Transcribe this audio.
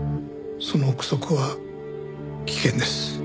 その臆測は危険です。